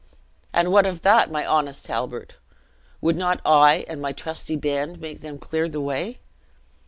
"And what of that, my honest Halbert? would not I and my trusty band make them clear the way?